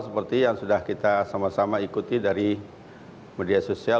seperti yang sudah kita sama sama ikuti dari media sosial